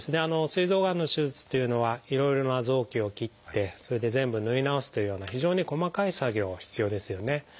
すい臓がんの手術というのはいろいろな臓器を切ってそれで全部縫い直すというような非常に細かい作業必要ですよね。